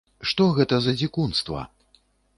Што гэта за дзікунства?